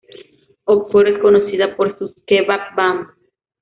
Oxford es conocida por sus "kebab vans".